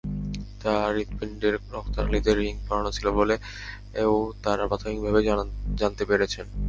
তাঁর হৃৎপিণ্ডের রক্তনালিতে রিং পরানো ছিল বলেও তাঁরা প্রাথমিকভাবে জানতে পেরেছেন।